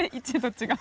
違う。